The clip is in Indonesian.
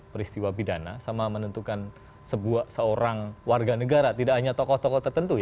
peristiwa pidana sama menentukan seorang warga negara tidak hanya tokoh tokoh tertentu